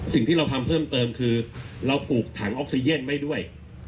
สิ่งที่เราทำเพิ่มเติมคือเราปลูกถังออกซิเจนไว้ด้วย